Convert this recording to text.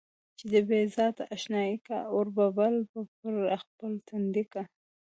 چې د بې ذاته اشنايي کا، اور به بل پر خپل تندي کا.